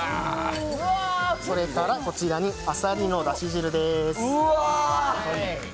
それからこちらにあさりのだし汁です。